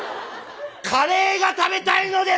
「カレーが食べたいのです！」。